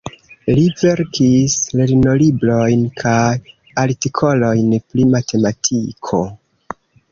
Li verkis lernolibrojn kaj artikolojn pri matematiko.